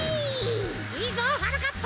いいぞはなかっぱ！